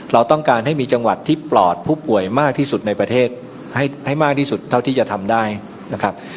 เราต้องการให้มีจังหวัดที่ปลอดผู้ป่วยมากที่สุดในประเทศให้มากที่สุดเท่าที่จะทำได้นะครับ